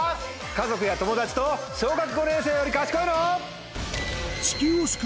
家族や友達と『小学５年生より賢いの？』。